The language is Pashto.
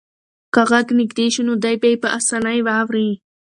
که غږ نږدې شي نو دی به یې په اسانۍ واوري.